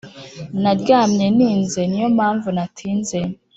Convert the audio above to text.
Naryamye ninze niyo mpamvu natinze